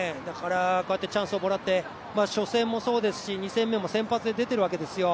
チャンスをもらって初戦もそうですし２戦目も先発で出ているわけですよ。